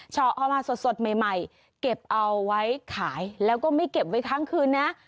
เอามาสดใหม่เก็บเอาไว้ขายแล้วก็ไม่เก็บไว้ทั้งคืนนะ